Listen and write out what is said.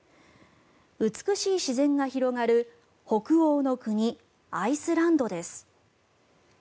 美しい自然が広がる北欧の国アイスランドです。